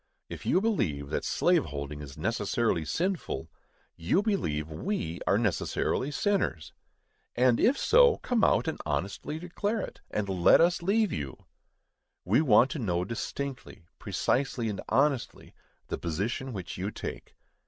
If you believe that slave holding is necessarily sinful, you believe we are necessarily sinners; and, if so, come out and honestly declare it, and let us leave you. We want to know distinctly, precisely and honestly, the position which you take.